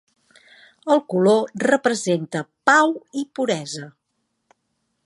El color representa pau i puresa.